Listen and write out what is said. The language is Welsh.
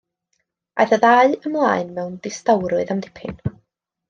Aeth y ddau ymlaen mewn distawrwydd am dipyn.